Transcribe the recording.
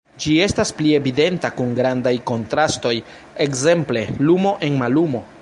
Ĝi estas pli evidenta kun grandaj kontrastoj, ekzemple lumo en mallumo.